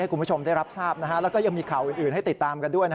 คุณผู้ชมได้รับทราบแล้วก็ยังมีข่าวอื่นให้ติดตามกันด้วย